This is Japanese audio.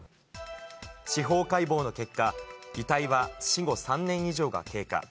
司法解剖の結果、遺体は死後３年以上が経過。